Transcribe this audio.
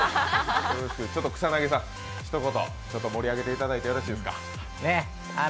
草薙さん、ひと言盛り上げていただいていいですか？